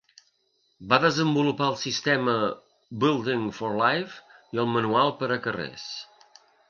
Va desenvolupar el sistema Building for Life i el Manual per a carrers.